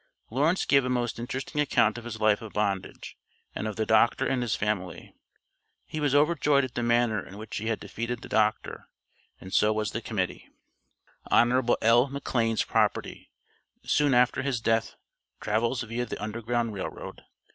Lawrence gave a most interesting account of his life of bondage, and of the doctor and his family. He was overjoyed at the manner in which he had defeated the doctor, and so was the Committee. HON. L. McLANE'S PROPERTY, SOON AFTER HIS DEATH, TRAVELS viâ THE UNDERGROUND RAIL ROAD.